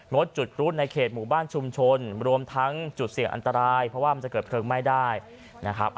ดจุดกรูดในเขตหมู่บ้านชุมชนรวมทั้งจุดเสี่ยงอันตรายเพราะว่ามันจะเกิดเพลิงไหม้ได้นะครับ